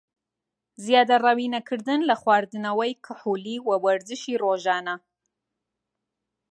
زیادەڕەوی نەکردن لە خواردنەوەی کحولی و وەرزشی رۆژانە